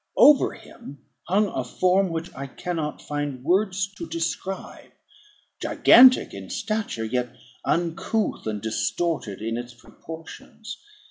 Over him hung a form which I cannot find words to describe; gigantic in stature, yet uncouth and distorted in its proportions.